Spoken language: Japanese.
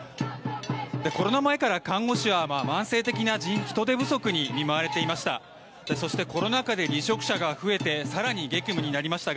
コロナ前から看護師は慢性的な人手不足に見舞われていました。